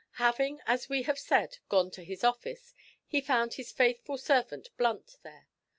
Having, as we have said, gone to his office, he found his faithful servant Blunt there.